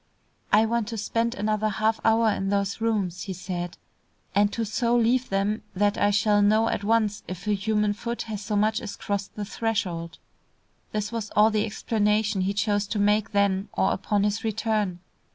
"I want to spend another half hour in those rooms," he said, "and to so leave them that I shall know at once if a human foot has so much as crossed the threshold." This was all the explanation he chose to make then or upon his return.